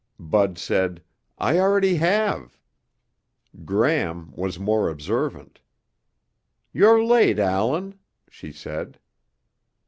Bud said, "I already have." Gram was more observant. "You're late, Allan," she said.